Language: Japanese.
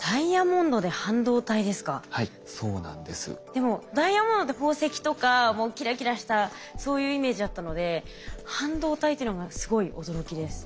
でもダイヤモンドって宝石とかもうキラキラしたそういうイメージだったので半導体っていうのがすごい驚きです。